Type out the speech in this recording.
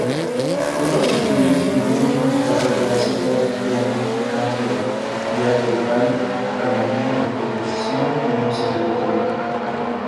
Otros estudios incluyen guitarra clásica, piano, canto, jazz vocal, armonía, composición y música electrónica.